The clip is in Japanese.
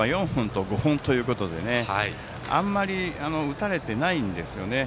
両方ともヒットが４本と５本ということであんまり打たれてないんですよね。